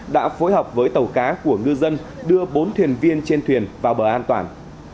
đã phối hợp với tàu cá của ngư dân đưa bốn thuyền viên trên thuyền vào bờ an toàn